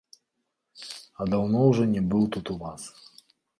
А даўно ўжо не быў тут у вас.